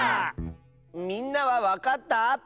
みんなはわかった？